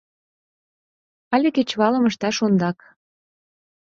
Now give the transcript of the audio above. Але кечывалым ышташ ондак.